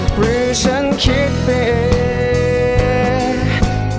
หรือฉันคิดไปเอง